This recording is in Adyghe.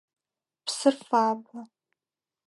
Псыр фабэ.